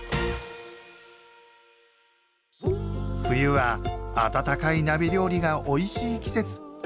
冬は温かい鍋料理がおいしい季節。